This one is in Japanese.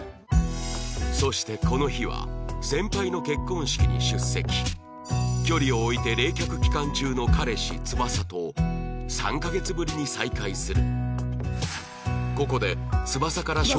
そしてこの日は距離を置いて冷却期間中の彼氏翼と３カ月ぶりに再会する